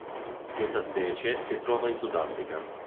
Questa specie si trova in Sudafrica.